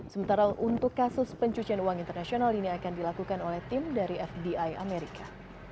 sementara untuk kasus pencucian uang internasional ini akan dilakukan oleh tim dari fbi amerika